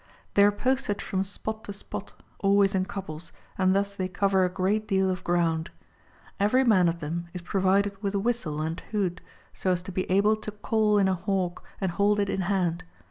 ^ They are posted from spot to spot, always in couples, and thus they cover a great deal of ground ! Every man of them is provided with a whistle and hood, so as to be able to call in a hawk and hold it in hand.